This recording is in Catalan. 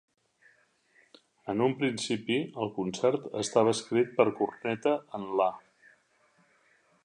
En un principi, el concert estava escrit per corneta en La.